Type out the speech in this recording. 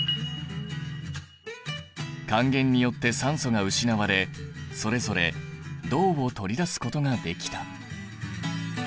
還元によって酸素が失われそれぞれ銅を取り出すことができた。